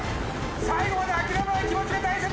最後まで諦めない気持ちが大切！